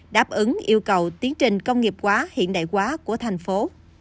đáp ứng yêu cầu tiến trình công nghiệp quá hiện đại hóa của thành phố